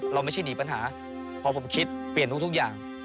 เราไม่ใช่หนีปัญหาพอผมคิดเปลี่ยนทุกอย่าง